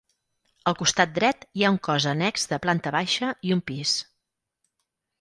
Al costat dret hi ha un cos annex de planta baixa i un pis.